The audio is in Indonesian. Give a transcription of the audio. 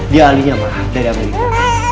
dia alihnya ma dari amerika